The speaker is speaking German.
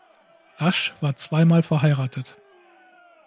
Rasch war zweimal verheiratet.